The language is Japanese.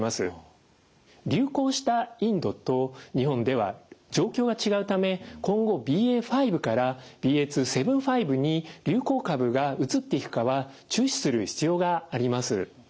流行したインドと日本では状況が違うため今後ＢＡ．５からＢＡ．２．７５に流行株が移っていくかは注視する必要があります。